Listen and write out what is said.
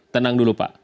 tenang dulu pak